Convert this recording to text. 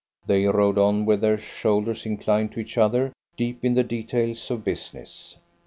They rode on with their shoulders inclined to each other, deep in the details of business.